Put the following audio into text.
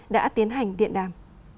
đã tiến hành điện đàm